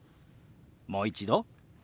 もう一度。